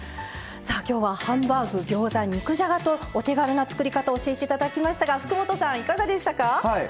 きょうはハンバーグ、ギョーザ肉じゃがと、お手軽な作り方を教えていただきましたが福本さん、いかがでしたか？